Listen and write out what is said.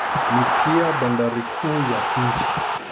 Ni pia bandari kuu ya nchi.